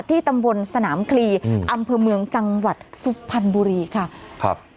ที่ตำบลสนามคลีอำเภอเมืองจังหวัดซุภัณฑ์บุรีค่ะ